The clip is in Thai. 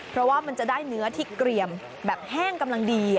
เพราะว่ามันจะได้เนื้อที่เกรียมแบบแห้งกำลังดี